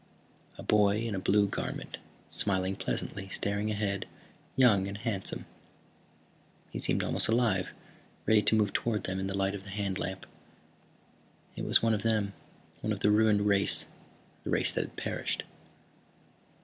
A boy in a blue garment, smiling pleasantly, staring ahead, young and handsome. He seemed almost alive, ready to move toward them in the light of the hand lamp. It was one of them, one of the ruined race, the race that had perished.